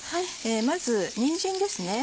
まずにんじんですね。